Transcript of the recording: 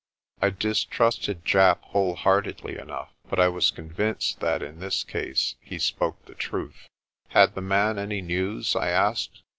I distrusted Japp wholeheartedly enough, but I was con vinced that in this case he spoke the truth. "Had the man any news?" I asked.